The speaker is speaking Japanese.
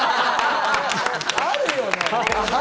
あるよね。